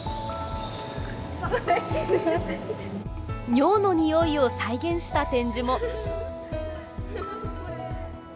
尿のニオイを再現した展示も。